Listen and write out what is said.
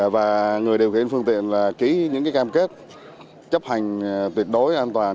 và người điều khiển phương tiện là ký những cam kết chấp hành tuyệt đối an toàn